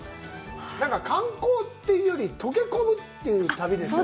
何か観光というより溶け込むという旅ですね。